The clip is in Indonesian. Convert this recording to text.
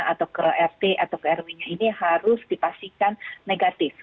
atau ke rt atau ke rw nya ini harus dipastikan negatif